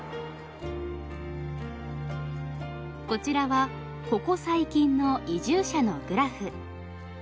こちらはここ最近の移住者のグラフ。